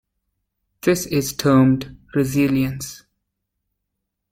This is termed resilience.